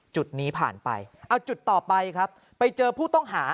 จุดนี้ผ่านไปเอาจุดต่อไปครับไปเจอผู้ต้องหา